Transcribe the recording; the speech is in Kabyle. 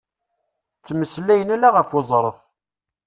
Ttmeslayen ala ɣef uẓref.